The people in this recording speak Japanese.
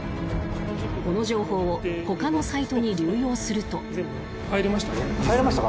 この情報を他のサイトに流用すると入れましたか？